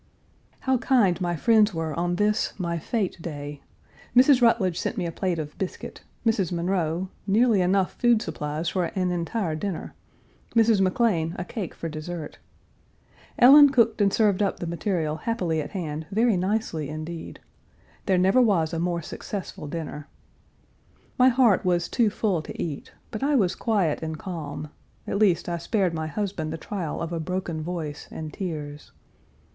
How kind my friends were on this, my fête day! Mrs. Rutledge sent me a plate of biscuit; Mrs. Munroe, nearly enough food supplies for an entire dinner; Miss McLean a cake for dessert. Ellen cooked and served up the material happily at hand very nicely, indeed. There never was a more successful dinner. My heart was too full to eat, but I was quiet and calm; at least I spared my husband the trial of a broken voice and tears.